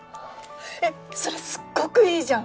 えっそれすっごくいいじゃん！